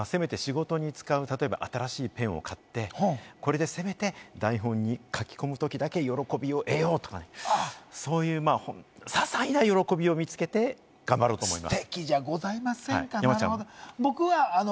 難しいんですが僕は、仕事に使う新しいペンを買って、これでせめて、台本に書き込むときだけ喜びを得ようとか、ささいな喜びを見つけて頑張ろうと思います。